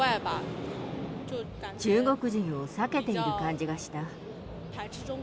中国人を避けている感じがした。